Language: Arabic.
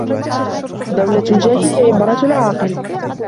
دَوْلَةُ الْجَاهِلِ عِبْرَةُ الْعَاقِلِ